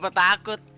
oh oke siapa takut